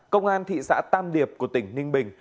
công an thị xã tam điệp của tỉnh ninh bình